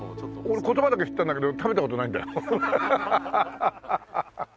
俺言葉だけ知ってるんだけど食べた事ないんだよ。